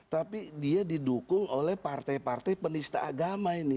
tapi dia didukung oleh partai partai penista agama ini